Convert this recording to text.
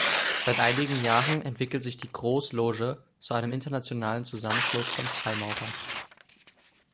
Seit einigen Jahren entwickelt sich die Großloge zu einem internationalen Zusammenschluss von Freimaurern.